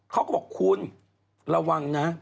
เขาก็บอกคุณระวังนะ